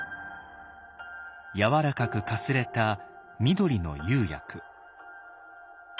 やわらかくかすれた緑の釉薬。